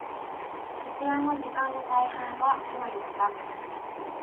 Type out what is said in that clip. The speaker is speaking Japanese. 徹夜の時間の大半は、今言った、